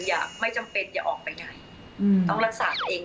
อยากไม่จำเป็นอย่าออกไปไหนต้องรักษาเอง